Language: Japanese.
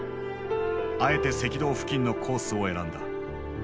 あえて赤道付近のコースを選んだ。